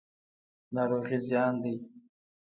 ناروغي زیان دی.